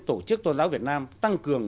tổ chức tôn giáo việt nam tăng cường